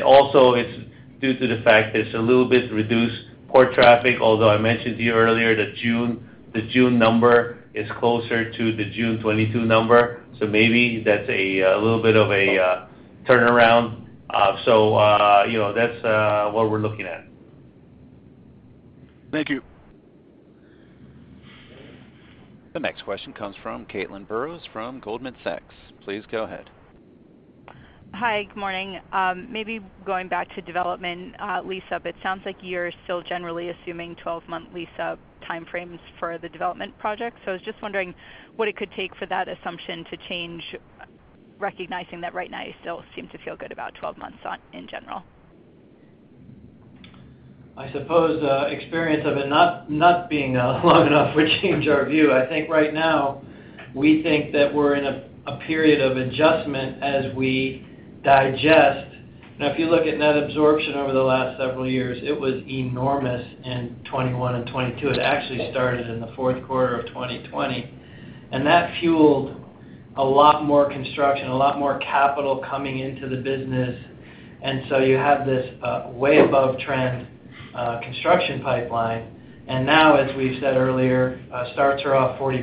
Also, it's due to the fact that it's a little bit reduced port traffic, although I mentioned to you earlier that June, the June number is closer to the June 2022 number, maybe that's a little bit of a turnaround. You know, that's what we're looking at. Thank you. The next question comes from Caitlin Burrows from Goldman Sachs. Please go ahead. Hi, good morning. Maybe going back to development, lease-up, it sounds like you're still generally assuming 12-month lease-up time frames for the development project. I was just wondering what it could take for that assumption to change, recognizing that right now you still seem to feel good about 12 months on in general? ... I suppose, experience of it not being long enough to change our view. I think right now, we think that we're in a period of adjustment as we digest. If you look at net absorption over the last several years, it was enormous in '21 and '22. It actually started in the fourth quarter of 2020, that fueled a lot more construction, a lot more capital coming into the business. you have this way above trend construction pipeline. now, as we've said earlier, starts are off 40%.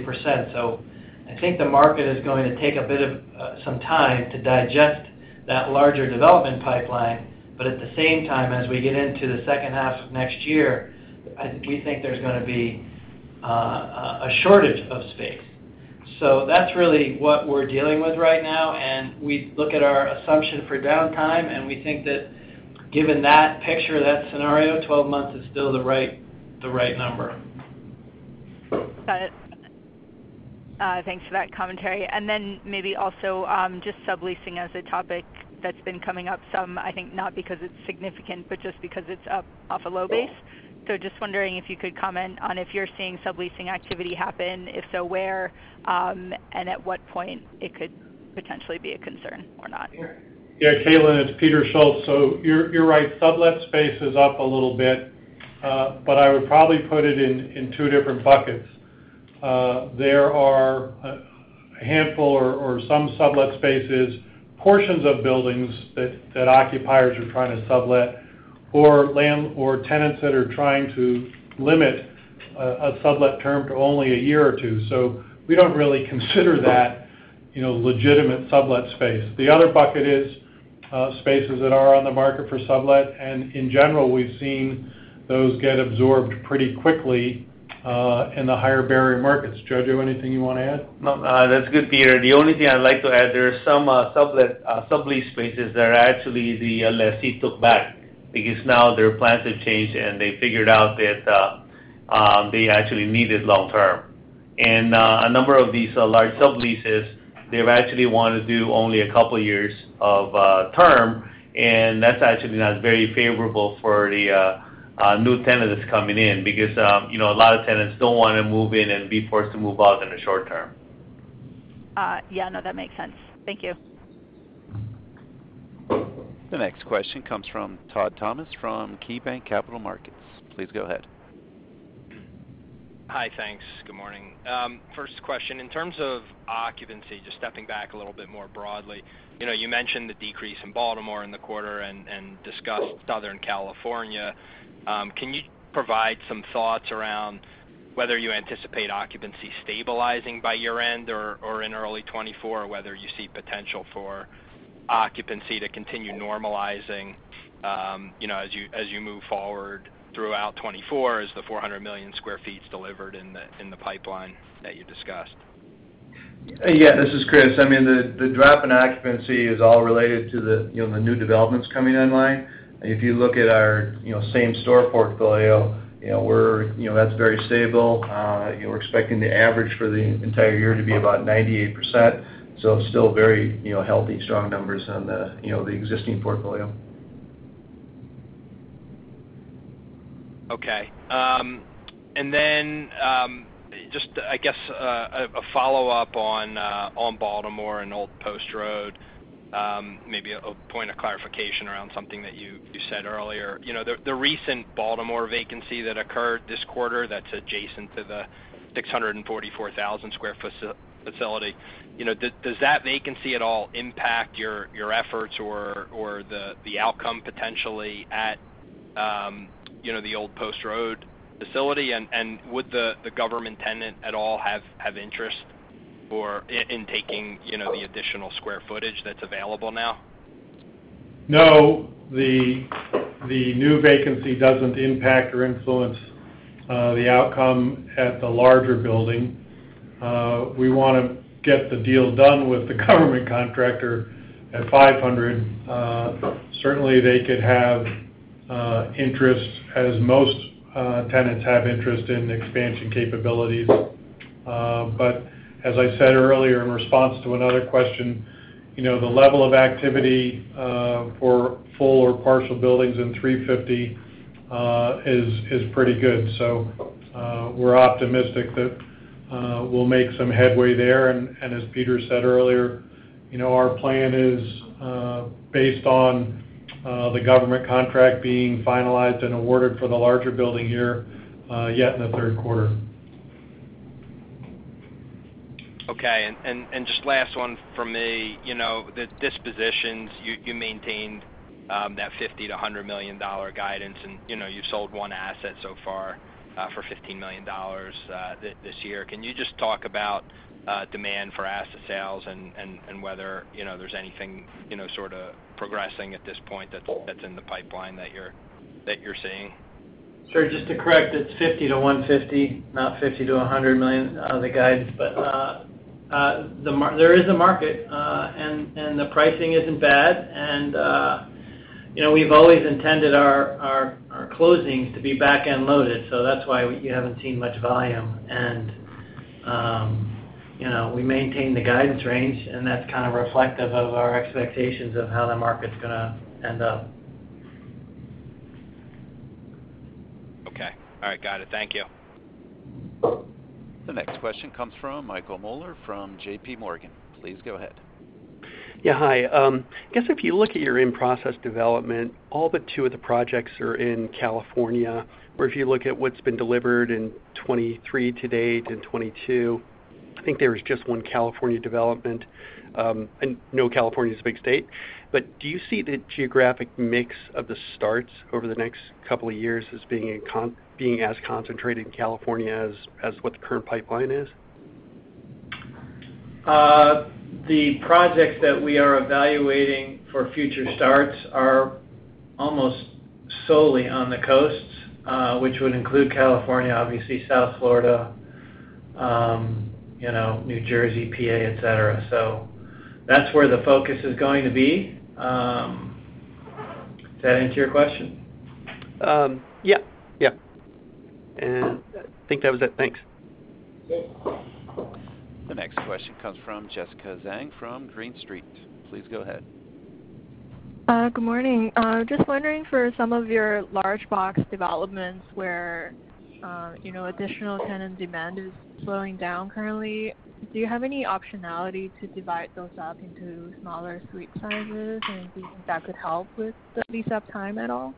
I think the market is going to take a bit of some time to digest that larger development pipeline, but at the same time, as we get into the second half of next year, we think there's gonna be a shortage of space. That's really what we're dealing with right now, and we look at our assumption for downtime, and we think that given that picture, that scenario, 12 months is still the right, the right number. Got it. Thanks for that commentary. Maybe also, just subleasing as a topic that's been coming up some, I think not because it's significant, but just because it's up off a low base. Just wondering if you could comment on if you're seeing subleasing activity happen, if so, where, and at what point it could potentially be a concern or not? Caitlin, it's Peter Schultz. You're right, sublet space is up a little bit, but I would probably put it in two different buckets. There are a handful or some sublet spaces, portions of buildings that occupiers are trying to sublet, or tenants that are trying to limit, a sublet term to only a year or two. We don't really consider that, you know, legitimate sublet space. The other bucket is, spaces that are on the market for sublet, and in general, we've seen those get absorbed pretty quickly, in the higher barrier markets. Jojo, anything you want to add? That's good, Peter. The only thing I'd like to add, there are some sublet sublease spaces that actually the lessee took back because now their plans have changed, and they figured out that they actually need it long term. A number of these large subleases, they've actually wanted to do only a couple of years of term, and that's actually not very favorable for the new tenant that's coming in because, you know, a lot of tenants don't want to move in and be forced to move out in the short term. Yeah, no, that makes sense. Thank you. The next question comes from Todd Thomas, from KeyBanc Capital Markets. Please go ahead. Hi, thanks. Good morning. First question, in terms of occupancy, just stepping back a little bit more broadly, you know, you mentioned the decrease in Baltimore in the quarter and discussed Southern California. Can you provide some thoughts around whether you anticipate occupancy stabilizing by year-end or in early 2024, or whether you see potential for occupancy to continue normalizing, you know, as you move forward throughout 2024, as the 400 million sq ft is delivered in the pipeline that you discussed? Yeah, this is Chris. I mean, the drop in occupancy is all related to the, you know, the new developments coming online. If you look at our, you know, same store portfolio, you know, that's very stable. We're expecting the average for the entire year to be about 98%. Still very, you know, healthy, strong numbers on the, you know, the existing portfolio. Okay. Then, just, I guess, a follow-up on Baltimore and Old Post Road, maybe a point of clarification around something that you said earlier. You know, the recent Baltimore vacancy that occurred this quarter, that's adjacent to the 644,000 square facility, you know, does that vacancy at all impact your efforts or the outcome potentially at, you know, the Old Post Road facility? Would the government tenant at all have interest in taking, you know, the additional square footage that's available now? The new vacancy doesn't impact or influence the outcome at the larger building. We want to get the deal done with the government contractor at 500. Certainly, they could have interest, as most tenants have interest in expansion capabilities. As I said earlier in response to another question, you know, the level of activity for full or partial buildings in 350 is pretty good. We're optimistic that we'll make some headway there. As Peter said earlier, you know, our plan is based on the government contract being finalized and awarded for the larger building here, yet in the 3rd quarter. Okay. Just last one from me. You know, the dispositions, you maintained, that $50 million-$100 million guidance, and, you know, you've sold one asset so far, for $15 million, this year. Can you just talk about demand for asset sales and whether, you know, there's anything, you know, sort of progressing at this point that's in the pipeline that you're seeing? Sure. Just to correct, it's $50 million-$150 million, not $50 million-$100 million, the guidance. There is a market, and the pricing isn't bad. You know, we've always intended our closings to be back-end loaded, so that's why you haven't seen much volume. You know, we maintain the guidance range, and that's kind of reflective of our expectations of how the market's going to end up. Okay. All right. Got it. Thank you. The next question comes from Michael Mueller from JP Morgan. Please go ahead. I guess if you look at your in-process development, all but two of the projects are in California, where if you look at what's been delivered in 23 to date, in 22, I think there was just one California development. I know California is a big state, but do you see the geographic mix of the starts over the next couple of years as being as concentrated in California as what the current pipeline is? The projects that we are evaluating for future starts are almost solely on the coasts, which would include California, obviously, South Florida, you know, New Jersey, PA, et cetera. That's where the focus is going to be. Does that answer your question? Yep. Yep. I think that was it. Thanks. The next question comes from Jessica Zheng from Green Street. Please go ahead. Good morning. Just wondering, for some of your large box developments where, you know, additional tenant demand is slowing down currently, do you have any optionality to divide those up into smaller suite sizes, and do you think that could help with the lease-up time at all?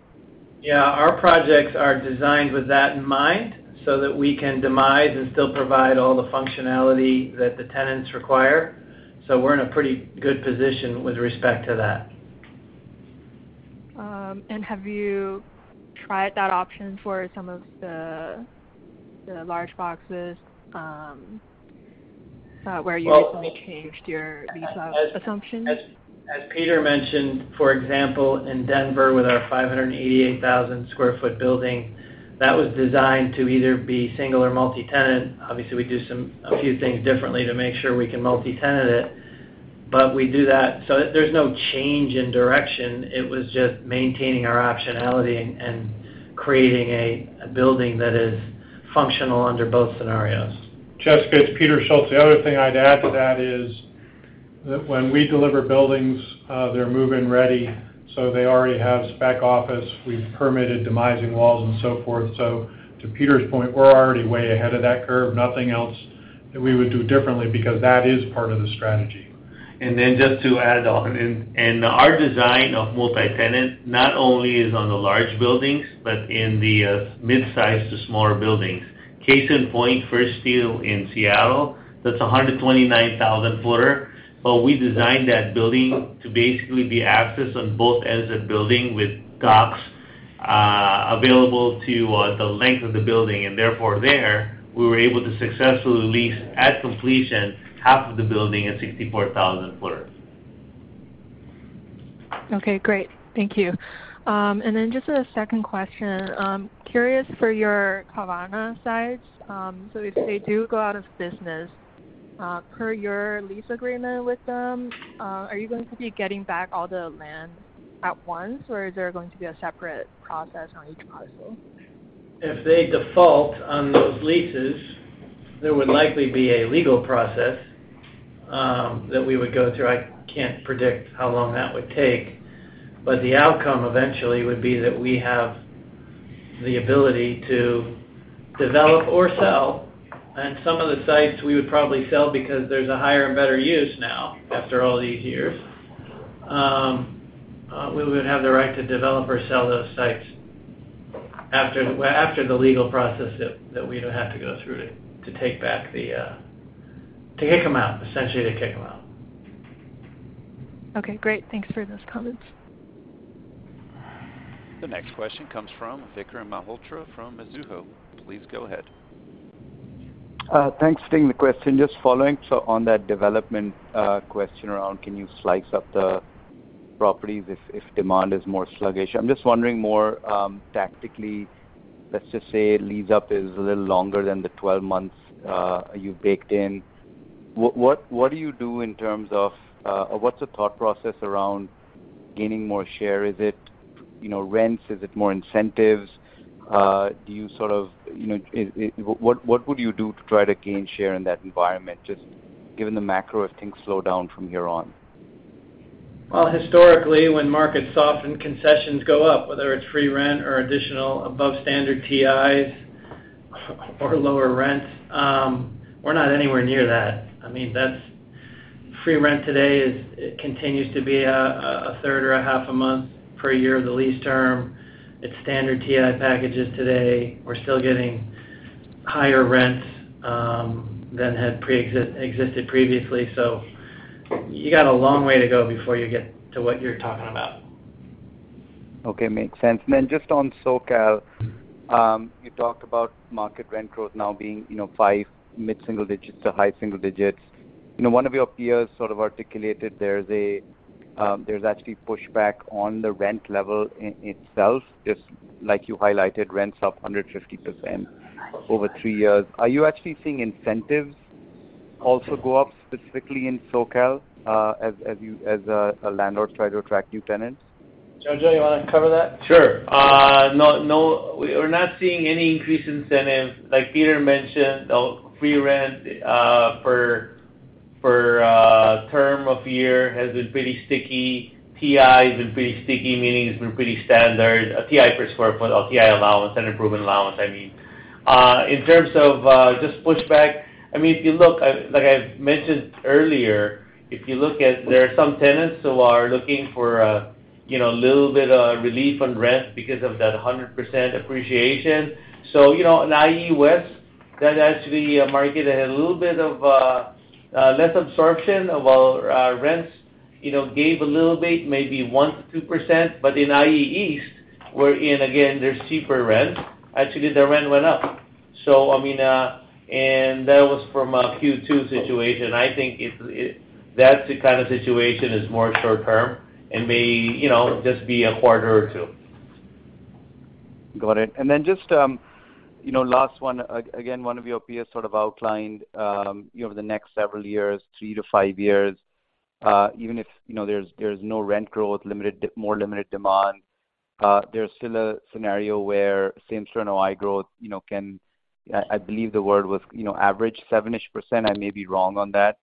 Yeah, our projects are designed with that in mind, so that we can demise and still provide all the functionality that the tenants require. We're in a pretty good position with respect to that. Have you tried that option for some of the large boxes, where you? Well- -changed your lease-up assumptions? As Peter mentioned, for example, in Denver, with our 588,000 sq ft building, that was designed to either be single or multi-tenant. Obviously, we do a few things differently to make sure we can multi-tenant it, we do that. There's no change in direction. It was just maintaining our optionality and creating a building that is functional under both scenarios. Jessica, it's Peter Schultz. The other thing I'd add to that is that when we deliver buildings, they're move-in ready, so they already have spec office. We've permitted demising walls and so forth. To Peter's point, we're already way ahead of that curve. Nothing else that we would do differently, because that is part of the strategy. Just to add on, our design of multi-tenant not only is on the large buildings, but in the midsize to smaller buildings. Case in point, First Steele in Seattle, that's a 129,000 footer, but we designed that building to basically be accessed on both ends of the building, with docks available to the length of the building. There, we were able to successfully lease, at completion, half of the building, a 64,000 footer. Okay, great. Thank you. Just a second question. Curious for your Carvana sites. If they do go out of business, per your lease agreement with them, are you going to be getting back all the land at once, or is there going to be a separate process on each parcel? If they default on those leases, there would likely be a legal process that we would go through. I can't predict how long that would take, but the outcome eventually would be that we have the ability to develop or sell. Some of the sites we would probably sell because there's a higher and better use now, after all these years. We would have the right to develop or sell those sites after the legal process that we'd have to go through to take back the. To kick them out. Essentially, to kick them out. Okay, great. Thanks for those comments. The next question comes from Vikram Malhotra from Mizuho. Please go ahead. Thanks for taking the question. Just following up on that development question around can you slice up the properties if demand is more sluggish? I'm just wondering more tactically, let's just say lease-up is a little longer than the 12 months you've baked in. What do you do in terms of or what's the thought process around gaining more share? Is it, you know, rents? Is it more incentives? Do you sort of, you know, what would you do to try to gain share in that environment, just given the macro, if things slow down from here on? Well, historically, when markets soften, concessions go up, whether it's free rent or additional above standard TIs or lower rents. We're not anywhere near that. I mean, Free rent today it continues to be a third or a half a month per year of the lease term. It's standard TI packages today. We're still getting higher rents than had existed previously. You got a long way to go before you get to what you're talking about. Okay, makes sense. Just on SoCal, you talked about market rent growth now being, you know, 5, mid-single digits to high single digits. You know, one of your peers sort of articulated there's a, there's actually pushback on the rent level in itself. Just like you highlighted, rents up 150% over three years. Are you actually seeing incentives, also go up specifically in SoCal, as you, as a landlord try to attract new tenants? Jojo, you want to cover that? Sure. No, no, we're not seeing any increased incentive. Like Peter mentioned, free rent, for, term of year has been pretty sticky. TI has been pretty sticky, meaning it's been pretty standard. A TI per square foot, or TI allowance, and improvement allowance, I mean. In terms of, just pushback, I mean, if you look, like I've mentioned earlier, if you look at there are some tenants who are looking for a, you know, little bit of relief on rent because of that 100% appreciation. You know, in IE West, that actually a market that had a little bit of, less absorption of our rents, you know, gave a little bit, maybe 1%-2%. In IE East, we're in, again, there's cheaper rent. Actually, the rent went up. I mean, and that was from a Q2 situation. I think that's the kind of situation is more short term and may, you know, just be a quarter or two. Got it. Then just, you know, last one, again, one of your peers sort of outlined, over the next several years, 3-5 years, even if, you know, there's no rent growth, more limited demand, there's still a scenario where same store NOI growth, you know, can, I believe the word was, you know, average 7%-ish. I may be wrong on that.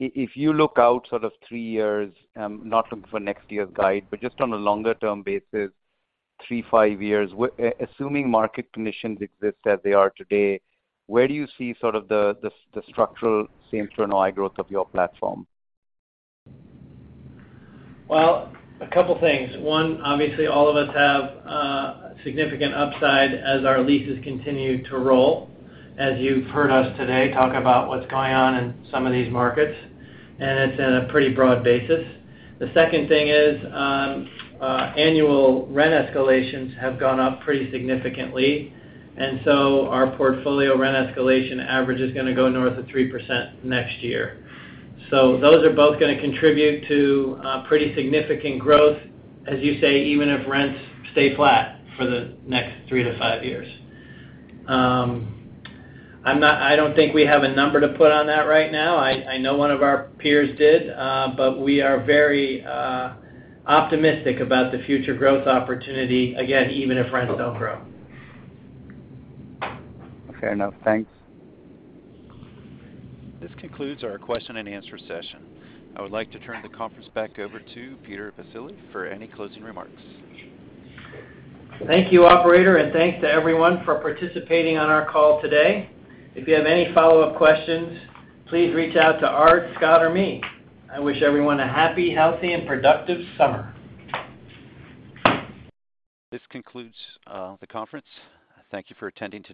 If you look out sort of three years, not looking for next year's guide, but just on a longer-term basis, three, five years, assuming market conditions exist as they are today, where do you see sort of the structural same store NOI growth of your platform? A couple things. One, obviously, all of us have significant upside as our leases continue to roll, as you've heard us today, talk about what's going on in some of these markets, and it's in a pretty broad basis. The second thing is, annual rent escalations have gone up pretty significantly, our portfolio rent escalation average is gonna go north of 3% next year. Those are both gonna contribute to pretty significant growth, as you say, even if rents stay flat for the next 3 to 5 years. I don't think we have a number to put on that right now. I know one of our peers did, but we are very optimistic about the future growth opportunity, again, even if rents don't grow. Fair enough. Thanks. This concludes our question and answer session. I would like to turn the conference back over to Peter Baccile for any closing remarks. Thank you, operator, and thanks to everyone for participating on our call today. If you have any follow-up questions, please reach out to Art, Scott, or me. I wish everyone a happy, healthy, and productive summer. This concludes the conference. Thank you for attending today.